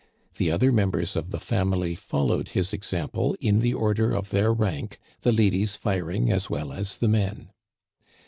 The other members of the family followed his example in the order of their rank, the ladies firing as well as the men.